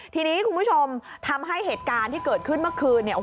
ทีนี้คุณผู้ชมทำให้เหตุการณ์ที่เกิดขึ้นเมื่อคืนเนี่ย